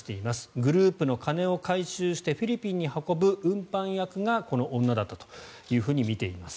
グループの金を回収してフィリピンに運ぶ運搬役がこの女だったとみています。